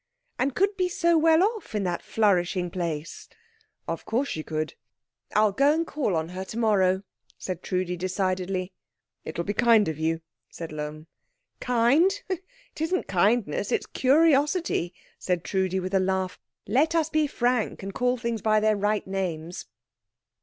"And could be so well off in that flourishing place!" "Of course she could." "I'll go and call on her to morrow," said Trudi decidedly. "It will be kind of you," said Lohm. "Kind! It isn't kindness, it's curiosity," said Trudi with a laugh. "Let us be frank, and call things by their right names."